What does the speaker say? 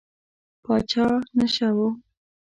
پاچا نشه و.